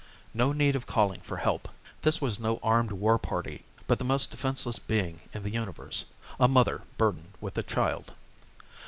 No need of calling for help. This was no armed war party, but the most defenseless being in the Universe a mother burdened with a child.